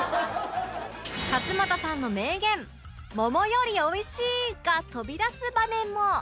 勝俣さんの名言「桃よりおいしい！」が飛び出す場面も